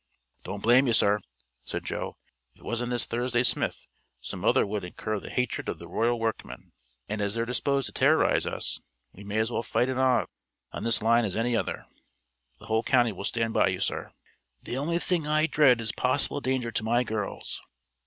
"Don't blame you, sir," said Joe. "If it wasn't this Thursday Smith, some other would incur the hatred of the Royal workmen, and as they're disposed to terrorize us we may as well fight it out on this line as any other. The whole county will stand by you, sir." "The only thing I dread is possible danger to my girls."